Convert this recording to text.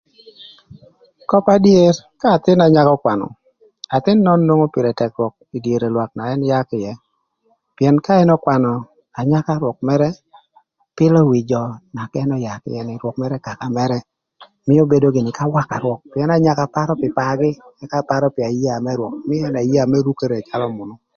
Köp adyer ka athïn na nyakö ökwanö, athïn nön nwongo pïrë tëk rwök ï dyere lwak na ën yaa kï ïë, pïën ka ën ökwanö, anyaka rwök mërë pïlö wi jö na ën öya kï ïë rwök mërë kaka mërë nï mïö bedo gïnï k'awaka rwök pïën anyaka parö pï paagï, pïën ën parö pï aya mërë rwök, ëka mïö aya mërë rukere calö münü.